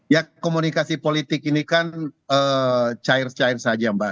ya komunikasi politik ini kan cair cair saja mbak